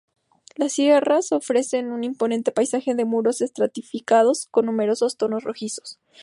Las sierras ofrecen un imponente paisaje de muros estratificados con numerosos tonos rojizos.